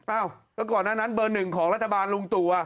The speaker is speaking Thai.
อ้าวก่อนนั้นเบอร์๑ของรัฐบาลลุงตู่